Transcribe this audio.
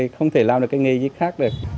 không thể làm được cái nghề gì khác được